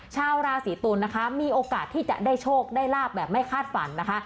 ชาวราศีตุลนะคะมีโอกาสที่จะได้โชคได้ลาบแบบไม่คาดฝันนะคะ